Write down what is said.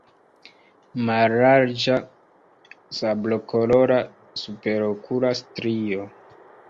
Mallarĝa sablokolora superokula strio.